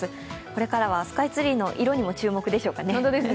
これからはスカイツリーの色にも注目でしょうかね。